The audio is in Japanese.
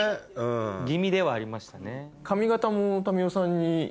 気味ではありましたね。